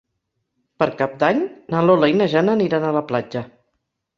Per Cap d'Any na Lola i na Jana aniran a la platja.